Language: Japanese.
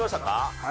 はい。